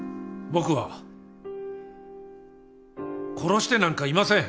僕は殺してなんかいません。